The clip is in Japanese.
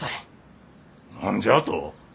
何じゃあと？